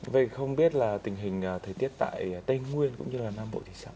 vậy không biết là tình hình thời tiết tại tây nguyên cũng như là nam bộ thì sao